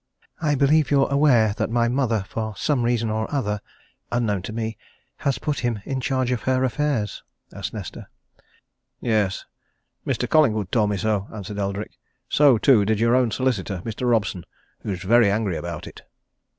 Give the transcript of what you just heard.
"I believe you're unaware that my mother, for some reason or other, unknown to me, has put him in charge of her affairs?" asked Nesta. "Yes Mr. Collingwood told me so," answered Eldrick. "So, too, did your own solicitor, Mr. Robson who's very angry about it."